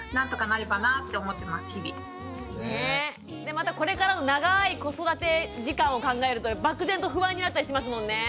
またこれからの長い子育て時間を考えると漠然と不安になったりしますもんね。